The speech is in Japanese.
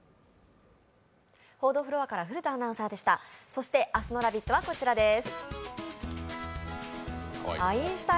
そして明日の「ラヴィット！」はこちらです。